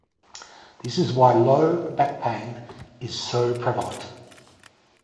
This is why low back pain is so prevalent.